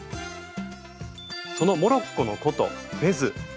そのモロッコの古都フェズ。